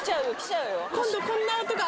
今度こんな音が。